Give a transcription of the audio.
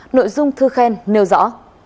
nội dung thư khen nêu rõ